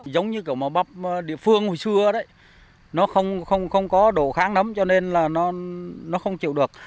giống như kiểu màu bắp địa phương hồi xưa đấy nó không có đồ kháng nấm cho nên là nó không chịu được